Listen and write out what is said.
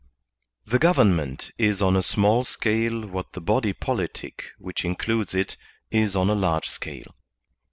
GOVERNMENT IN GENERAL 53 The government is on a small scale what the body politic which includes it is on a large scale.